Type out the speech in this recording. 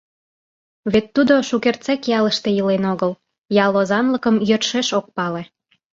Вет тудо шукертсек ялыште илен огыл, ял озанлыкым йӧршеш ок пале.